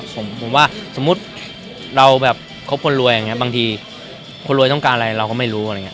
ผมว่าสมมุติเราแบบคบคนรวยบางทีคนรวยต้องการอะไรเราก็ไม่รู้